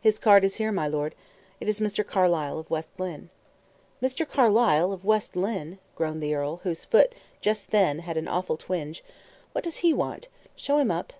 "His card is here, my lord. It is Mr. Carlyle, of West Lynne." "Mr. Carlyle, of West Lynne," groaned the earl, whose foot just then had an awful twinge, "what does he want? Show him up."